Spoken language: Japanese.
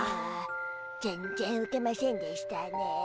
全然ウケませんでしたねえ。